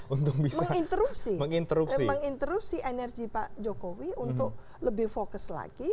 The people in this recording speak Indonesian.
untuk menginterupsi energi pak jokowi untuk lebih fokus lagi